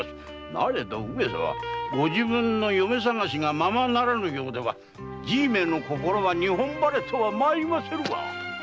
なれどご自分の嫁さがしがままならぬようではじいの心は日本晴れとは参りませぬわ。